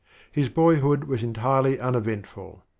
His boyhood was entirely uneventful.